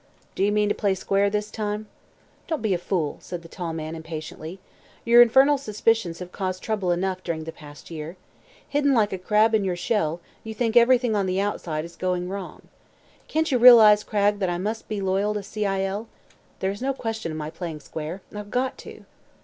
"Do you mean to play square, this time?" "Don't be a fool," said the tall man impatiently. "Your infernal suspicions have caused trouble enough, during the past year. Hidden like a crab in your shell, you think everything on the outside is going wrong. Can't you realize, Cragg, that I must be loyal to C. I. L.? There's no question of my playing square; I've got to."